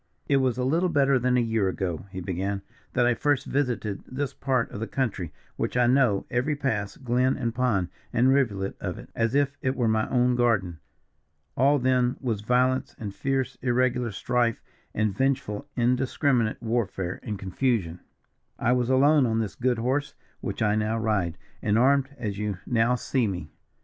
"It was a little better than a year ago," he began, "that I first visited this part of the country, which I know every pass, glen, and pond, and rivulet of it as if it were my own garden. All then was violence, and fierce, irregular strife, and vengeful indiscriminate warfare and confusion. "I was alone on this good horse which I now ride, and armed as you now see me.